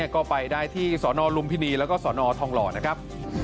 ก็ไปได้ที่สนลุมพินีแล้วก็สนทองหล่อนะครับ